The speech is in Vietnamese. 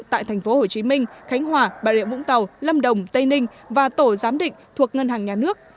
tại tp hcm khánh hòa bà rịa vũng tàu lâm đồng tây ninh và tổ giám định thuộc ngân hàng nhà nước